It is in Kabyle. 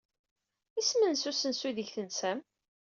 Isem-nnes usensu aydeg tensam?